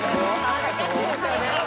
恥ずかしいですよね。